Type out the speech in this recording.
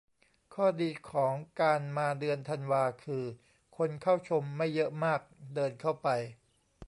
ข้อดีของการมาเดือนธันวาคือ คนเข้าชมไม่เยอะมาก เดินเข้าไป